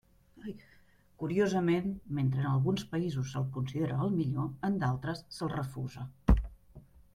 Curiosament, mentre en alguns països se'l considera el millor, en d'altres se'l refusa.